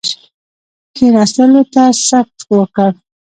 کښېنستلو ته ست وکړ.